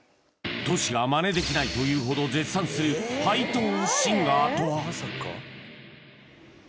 Ｔｏｓｈｌがマネできないと言うほど絶賛するハイトーンシンガーとは？